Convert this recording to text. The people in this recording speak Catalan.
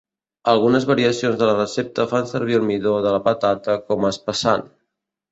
Algunes variacions de la recepta fan servir el midó de la patata com a espessant.